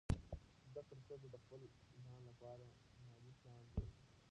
زده کړه ښځه د خپل ځان لپاره مالي پلان جوړوي.